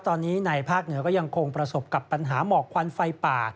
ตอนนี้ในภาคเหนือก็ยังคงประสบกับปัญหาหมอกควันไฟป่า